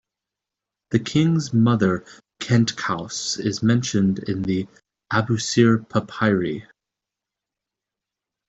The king's mother Khentkaus is mentioned in the "Abusir Papyri".